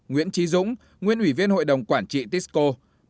ba nguyễn trí dũng nguyễn ủy viên hội đồng quản trị tisco